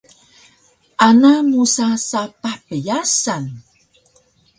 Ana musa sapah pyasan